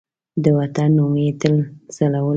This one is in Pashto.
د وطن نوم یې تل ځلولی